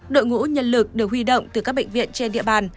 đội ngũ nhân lực được huy động từ các bệnh viện trên địa bàn